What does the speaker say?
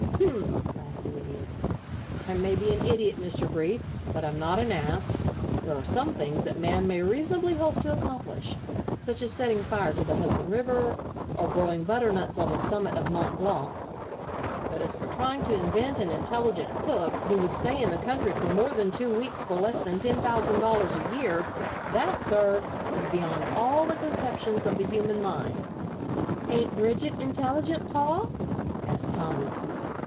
"Humph!" laughed the Idiot. "I may be an idiot, Mr. Brief, but I'm not an ass. There are some things that man may reasonably hope to accomplish such as setting fire to the Hudson River, or growing butternuts on the summit of Mont Blanc but as for trying to invent an intelligent cook who would stay in the country for more than two weeks for less than ten thousand dollars a year, that, sir, is beyond all the conceptions of the human mind." "Ain't Bridget intelligent, pa?" asked Tommy.